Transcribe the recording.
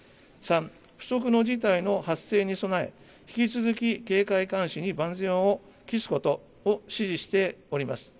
３、不測の事態の発生に備え、引き続き警戒監視に万全を期すことを指示しております。